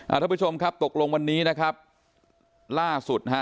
ท่านผู้ชมครับตกลงวันนี้นะครับล่าสุดนะฮะ